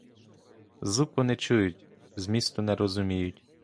Звук вони чують, змісту не розуміють.